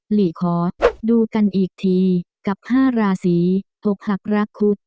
หลีขอดูกันอีกทีกับ๕ราศี๖หักรักคุด